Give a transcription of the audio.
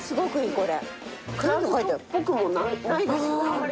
これ。